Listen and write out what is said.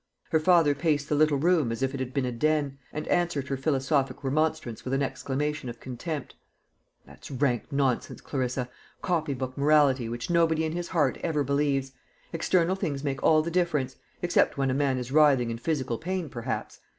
Her father paced the little room as if it had been a den, and answered her philosophic remonstrance with an exclamation of contempt. "That's rank nonsense, Clarissa copybook morality, which nobody in his heart ever believes. External things make all the difference except when a man is writhing in physical pain perhaps.